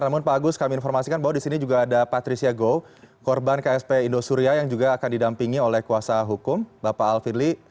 namun pak agus kami informasikan bahwa disini juga ada patricia goh korban ksp indosuria yang juga akan didampingi oleh kuasa hukum bapak alvidli